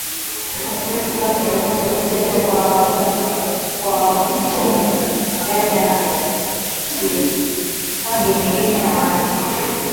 wasiwasi wake kuhusu kuteswa kwa wafungwa nchini Uganda na ukiukwaji mwingine wa haki